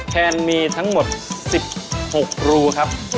แคนมีทั้งหมด๑๖รูครับ